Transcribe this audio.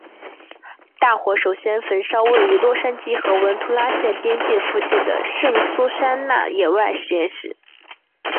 大火首先焚烧位于洛杉矶和文图拉县边界附近的圣苏珊娜野外实验室。